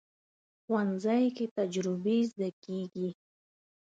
ښوونځی کې تجربې زده کېږي